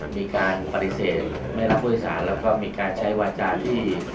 มีการปฏิเสธไม่รับผู้โดยสารแล้วก็มีการใช้วาจาที่